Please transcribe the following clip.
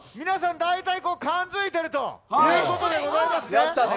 皆さん、大体、勘付いてるということでございますね。